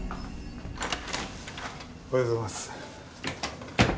おはようございます。